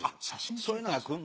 そういうのが来る。